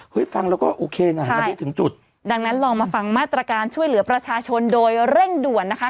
ฟังแล้วก็โอเคนะมันได้ถึงจุดดังนั้นลองมาฟังมาตรการช่วยเหลือประชาชนโดยเร่งด่วนนะคะ